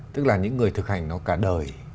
tức là những người thực hành nó cả đời